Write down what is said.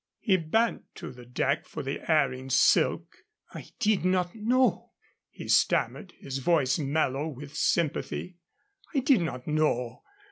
He bent to the deck for the erring silk. "I did not know," he stammered, his voice mellow with sympathy. "I did not know.